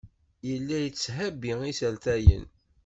Yella yetthabi isertayen.